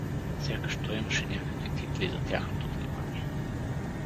Сякаш той имаше някакви титли за тяхното внимание.